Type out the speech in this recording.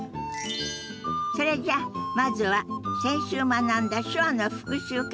それじゃあまずは先週学んだ手話の復習から始めましょ。